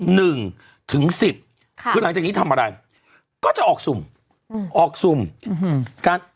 หนึ่งถึงสิบค่ะคือหลังจากนี้ทำอะไรก็จะออกสุ่มอืมออกสุ่มอืมการ